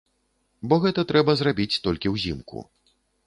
Бо гэта трэба зрабіць толькі ўзімку.